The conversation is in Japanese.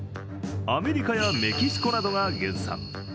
アメリカやメキシコなどが原産。